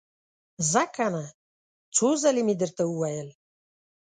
ځه کنه! څو ځلې مې درته وويل!